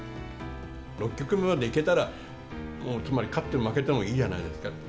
６局目までいけたら、もうつまり勝っても負けてもいいんじゃないですか。